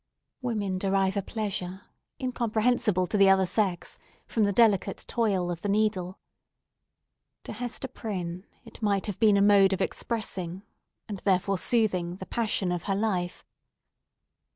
Women derive a pleasure, incomprehensible to the other sex, from the delicate toil of the needle. To Hester Prynne it might have been a mode of expressing, and therefore soothing, the passion of her life.